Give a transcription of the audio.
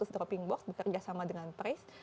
seratus dropping box bekerja sama dengan price